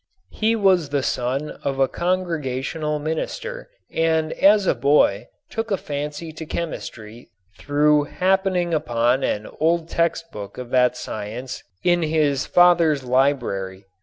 He was the son of a Congregational minister and as a boy took a fancy to chemistry through happening upon an old text book of that science in his father's library.